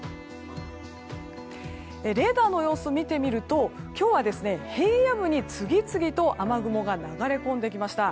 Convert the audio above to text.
レーダーの様子を見てみると今日は平野部に次々と雨雲が流れ込んできました。